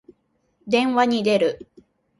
電話に出る。